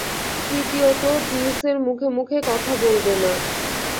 তৃতীয়ত, জিউসের মুখে মুখে কথা বলবে না।